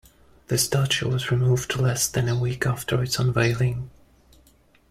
The statue was removed less than a week after its unveiling.